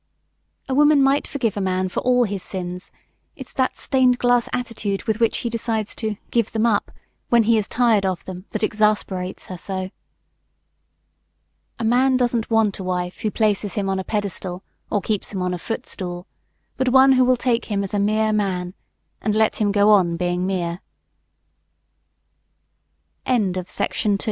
A woman might forgive a man for all his sins; it's that stained glass attitude with which he decides to "give them up" when he is tired of them that exasperates her so. A MAN DOESN'T WANT A WIFE WHO PLACES HIM ON A PEDESTAL OR KEEPS HIM ON A FOOTSTOOL, BUT ONE WHO WILL TAKE HIM AS A MERE MAN AND LET HIM GO ON BEING "MERE" [Illustration: Places